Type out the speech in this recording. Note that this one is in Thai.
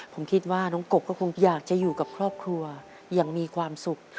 ผมคิดว่าน้องกบก็คงอยากจะอยู่กับครอบครัวอย่างมีความสุข